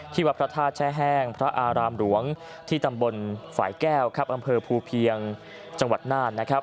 ที่วัพพระท่าแช่แห้งพระอารามหลวงที่ตำบลฝ่ายแก้วอำเภอภูเพียงจังหวัดน่าน